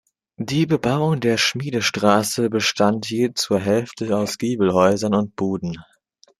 Die Bebauung der Schmiedestraße bestand je zur Hälfte aus Giebelhäusern und Buden.